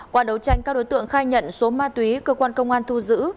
qua đấu tranh các đối tượng khai nhận số ma túy cơ quan công an thu giữ